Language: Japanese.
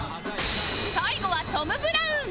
最後はトム・ブラウン